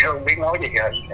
không biết nói gì